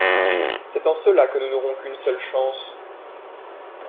C’est en cela que nous n’aurons qu’une seule chance.